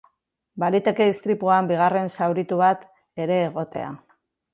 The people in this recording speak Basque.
Baliteke istripuan bigarren zauritu bat ere egotea.